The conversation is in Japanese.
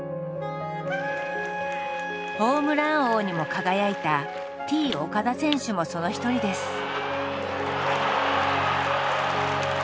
ホームラン王にも輝いたＴ−岡田選手もその一人です。